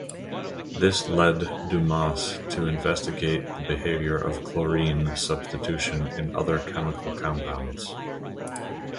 This led Dumas to investigate the behavior of chlorine substitution in other chemical compounds.